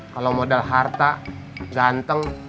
kalau modal harta ganteng